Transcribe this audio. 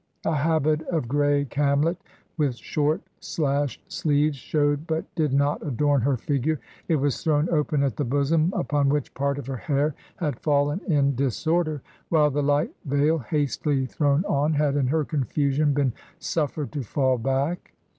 A habit of gray camlet, with short slashed sleeves, showed but did not adorn her figure; it was thrown open at the bosom, upon which part of her hair had ' fallen in disorder, while the light veil, hastily thrown on, had in her confusion been suflFered to fall back.